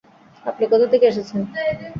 আপনি কোথা থেকে এসেছেন?